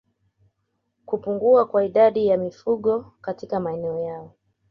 Kupungua kwa idadi ya mifugo katika maeneo yao